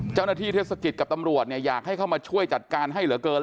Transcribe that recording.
เจ้าหน้าที่เทศกิจกับตำรวจอยากให้เข้ามาช่วยจัดการให้เหลือเกิน